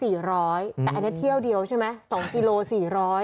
แต่อันนี้เที่ยวเดียวใช่ไหม๒กิโลสี่ร้อย